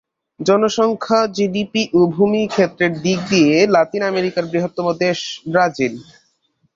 জনসংখ্যা, জিডিপি ও ভূমি ক্ষেত্রের দিক দিয়ে লাতিন আমেরিকার বৃহত্তম দেশ ব্রাজিল।